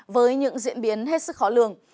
với những diễn biến hết sức khó lường